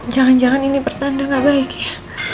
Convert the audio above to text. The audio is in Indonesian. jangan jangan ini pertanda gak baik ya